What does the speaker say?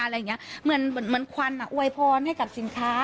อะไรอย่างเงี้ยเหมือนเหมือนเหมือนควันอ่ะอวยพรให้กับสินค้า